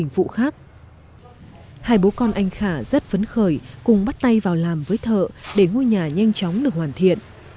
nhưng anh khả rất phấn khởi cùng bắt tay vào làm với thợ để ngôi nhà nhanh chóng được hoàn thiện